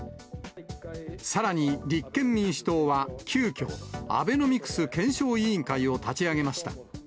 さらに立憲民主党は、急きょ、アベノミクス検証委員会を立ち上げました。